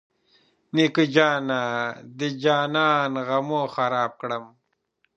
نیکه جانه د جانان غمو خراب کړم.